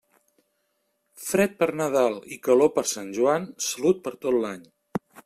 Fred per Nadal i calor per Sant Joan, salut per tot l'any.